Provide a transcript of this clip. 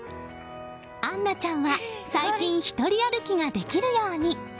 杏奈ちゃんは最近１人歩きができるように。